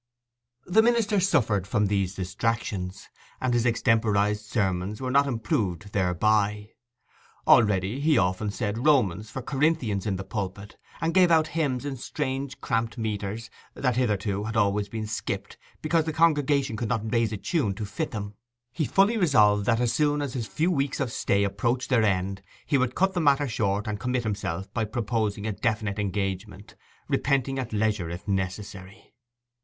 The minister suffered from these distractions, and his extemporized sermons were not improved thereby. Already he often said Romans for Corinthians in the pulpit, and gave out hymns in strange cramped metres, that hitherto had always been skipped, because the congregation could not raise a tune to fit them. He fully resolved that as soon as his few weeks of stay approached their end he would cut the matter short, and commit himself by proposing a definite engagement, repenting at leisure if necessary.